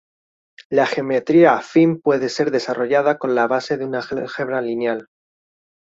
La geometría afín puede ser desarrollada con la base de un álgebra lineal.